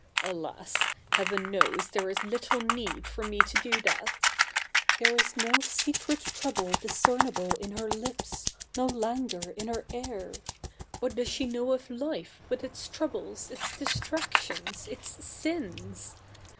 Alas I heaven knows the?'e is little need for me to do that !) The7'e is no sec7 et trouble discernible in her lips — no languor 232 THE NEW REPUBLIC [bk. iv in her air ! What does she know of life, with its troubles, its distractio?is, its sins